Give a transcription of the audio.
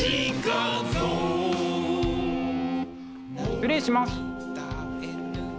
失礼します。